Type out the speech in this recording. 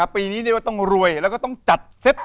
ปีนี้เรียกว่าต้องรวยแล้วก็ต้องจัดเซต